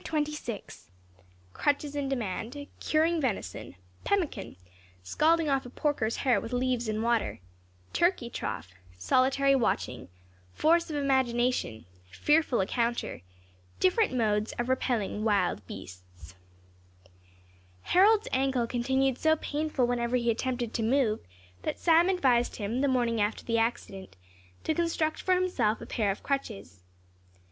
CHAPTER XXVI CRUTCHES IN DEMAND CURING VENISON PEMMICAN SCALDING OFF A PORKER'S HAIR WITH LEAVES AND WATER TURKEY TROUGH SOLITARY WATCHING FORCE OF IMAGINATION FEARFUL RENCOUNTER DIFFERENT MODES OF REPELLING WILD BEASTS Harold's ankle continued so painful whenever he attempted to move, that Sam advised him, the morning after the accident, to construct for himself a pair of crutches.